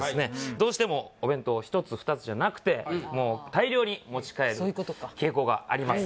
どうしてもお弁当を１つ２つじゃなくて大量に持ち帰るそういうことか傾向があります